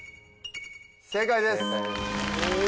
正解です。